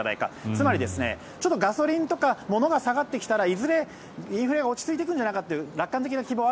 つまりガソリンとか物が下がってきたらいずれインフレが落ち着いてくるんじゃないかという楽観的な希望は